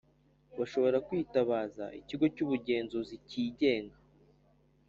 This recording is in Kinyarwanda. bashobora kwitabaza ikigo cy ubugenzuzi kigenga